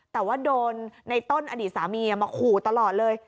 แต่ว่าโดนในต้นอดีตสามีมาขู่ตลอดเลย